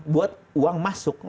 buat uang masuk